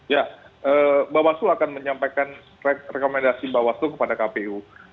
ya bawaslu akan menyampaikan rekomendasi bawaslu kepada kpu